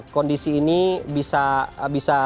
kondisi ini bisa